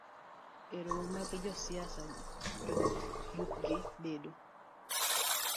E romo mag josiasa, jolupgi bedo